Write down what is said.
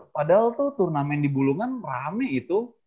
padahal tuh turnamen di bulungan rame itu